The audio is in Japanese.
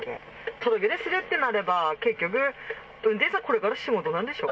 届出すってなれば、結局、運転手さん、これから仕事なんでしょ？